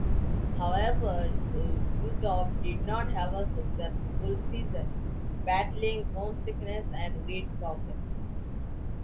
However, Krutov did not have a successful season, battling homesickness and weight problems.